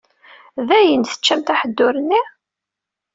Dayen teččamt aḥeddur-nni?